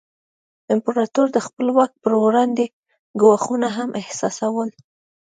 امپراتور د خپل واک پر وړاندې ګواښونه هم احساسول.